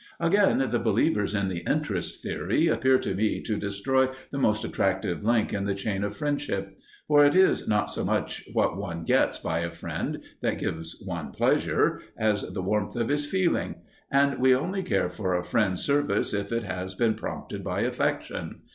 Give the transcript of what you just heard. Again, the believers in the "interest" theory appear to me to destroy the most attractive link in the chain of friendship. For it is not so much what one gets by a friend that gives one pleasure, as the warmth of his feeling; and we only care for a friend's service if it has been prompted by affection.